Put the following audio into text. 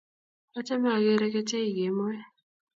Achame akere kecheik kemoi